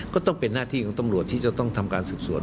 ก็ต้องเป็นหน้าที่ของตำรวจที่จะต้องทำการสืบสวน